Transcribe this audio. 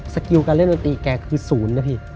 สกิลการเล่นอันตรีแกคือศูนย์นะพี่